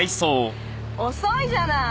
遅いじゃない。